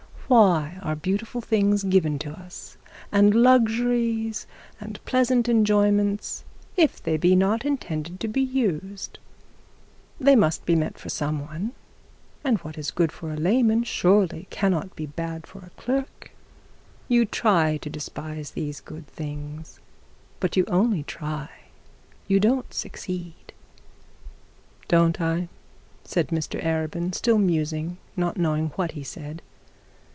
Why are beautiful things given to us, and luxuries and pleasant enjoyments, if they be not intended to be used? They must be meant for some one, and what is good for a layman cannot surely be bad for a clerk. You try to despise these good things, but you only try; you don't succeed.' 'Don't I,' said Mr Arabin, still musing, and not knowing what he said.